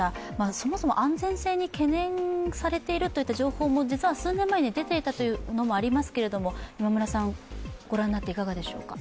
そもそも安全性が懸念されているといった情報も実は数年前に出ていたというのもありますけどご覧になっていかがですか？